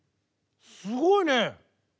すごいね。